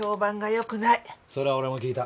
それは俺も聞いた。